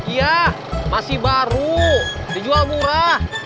ya masih baru dijual murah